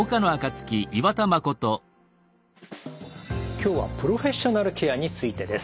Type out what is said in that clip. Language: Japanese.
今日はプロフェッショナルケアについてです。